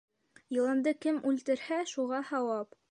Йыланды кем үлтерһә, шуға һауап.